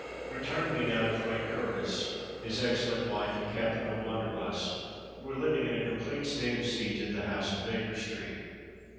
Return we now to Frank Curtis, his excellent wife, and Captain O'Blunderbuss, who were living in a complete state of siege at the house in Baker Street.